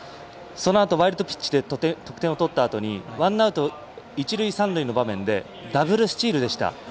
そのあと、ワイルドピッチで得点を取ったあとワンアウト、一塁三塁の場面でダブルスチールでした。